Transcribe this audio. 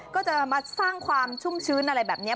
ก็จะมาสร้างความชุ่มชื้นอะไรแบบนี้